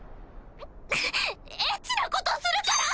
エッチなことするから！